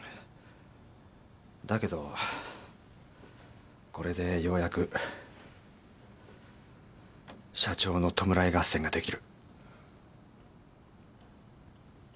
だけどこれでようやく社長の弔い合戦ができる。